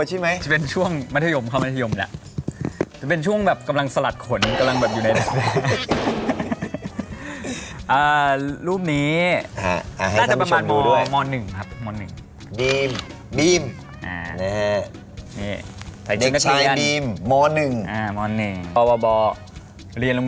หรอครับหมอหนึ่งบีมบีมนี่ฮะเด็กชายบีมหมอหนึ่งอ้าหมอหนึ่งบรยงลง